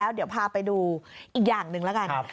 เดี๋ยวพาไปดูอีกอย่างหนึ่งแล้วกัน